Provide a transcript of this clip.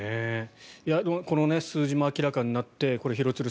この数字も明らかになって廣津留